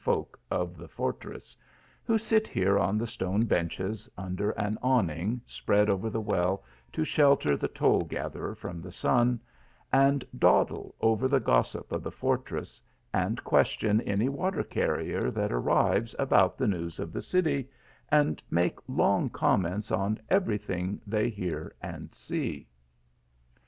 folk of the fortress, who sit here on the stone benches under an awning spread over the well to shelter the toll gatherer from the sun, and dawdle over the gos sip of the fortress, and question any water carrier that arrives, about the news of the city, and make long comments on every thing they hear and see.